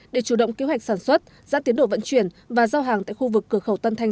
để chủ động kế hoạch sản xuất giãn tiến độ vận chuyển và giao hàng tại khu vực cửa khẩu tân thanh